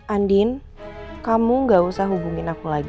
andin kamu gak usah hubungin aku lagi